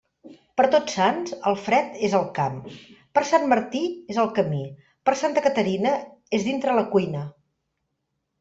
Per Tots Sants, el fred és al camp; per Sant Martí, és al camí; per Santa Caterina, és dintre la cuina.